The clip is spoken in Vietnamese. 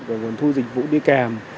và nguồn thu dịch vụ đi kèm